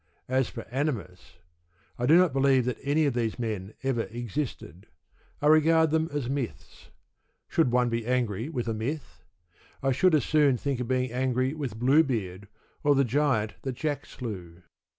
As for animus: I do not believe any of these men ever existed. I regard them as myths. Should one be angry with a myth? I should as soon think of being angry with Bluebeard, or the Giant that Jack slew.